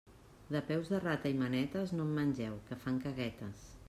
De peus de rata i manetes, no en mengeu, que fan caguetes.